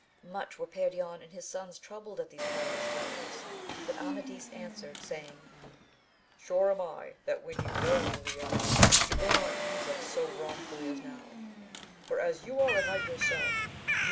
Much were Perion and his sons troubled at these perilous tidings, but Amadis answered, saying, Sure am I that when you know who we are you will not use us so wrong fully as now ; for as you are a knight yourself, you 224 AMADIS OF GAUL.